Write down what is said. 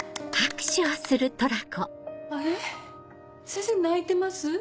先生泣いてます？